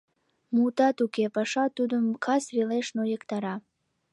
Мутат уке, паша тудым кас велеш нойыктара.